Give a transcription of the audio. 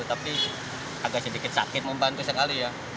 tapi agak sedikit sakit membantu sekali ya